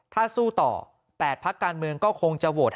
ถ้าสู้ต่อ๘พักการเมืองก็คงจะโหวต